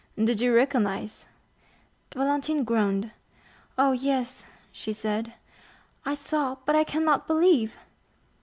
"Did you recognize?" Valentine groaned. "Oh, yes;" she said, "I saw, but I cannot believe!"